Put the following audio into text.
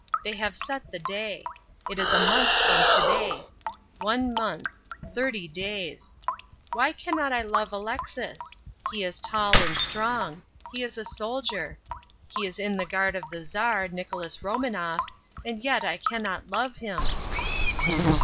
They have set the day. It is a month from to day. One month. Thirty days. Why cannot I love Alexis? He is tall and strong. He is a soldier. He is in the Guard of the Czar, Nicholas Romanoff, and yet I cannot love him.